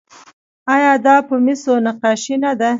آیا دا په مسو نقاشي نه ده؟